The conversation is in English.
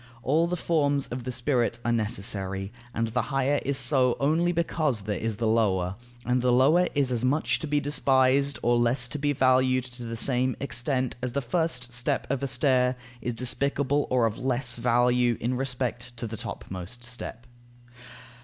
All the forms of the spirit are necessary, and the higher is so only because there is the lower, and the lower is as much to be despised or less to be valued to the same extent as the first step of a stair is despicable, or of less value in respect to the topmost step.